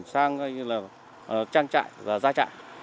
sang coi như là trang trại và gia trại